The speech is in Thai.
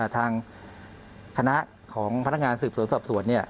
ทางคณะของพนักงานสืบสวนสอบสวน